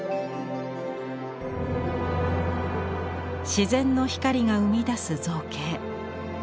自然の光が生み出す造形。